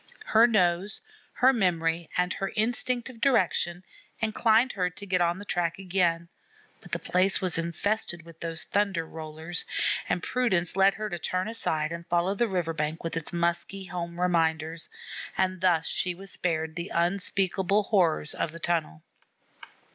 Her nose, her memory, and her instinct of direction inclined her to get on the track again; but the place was infested with those Thunder rollers, and prudence led her to turn aside and follow the river bank with its musky home reminders; and thus she was spared the unspeakable horrors of the tunnel.